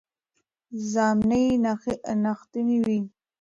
ژامنې یې نښتې وې.